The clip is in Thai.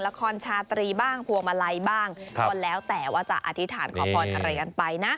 ละครชาตรีบ้างพวงมาลัยบ้างก็แล้วแต่ว่าจะอธิษฐานขอพรอะไรกันไปนะ